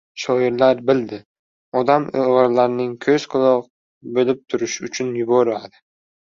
Shoirlar bildi, odam o‘g‘illarini ko‘z-quloq bo‘lib turish uchun yubordi.